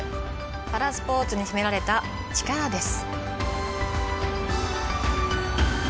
パラスポーツに秘められた力です。